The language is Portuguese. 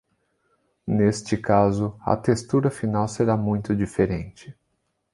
Neste caso, a textura final será muito diferente.